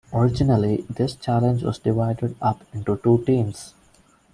Originally this challenge was divided up into two teams.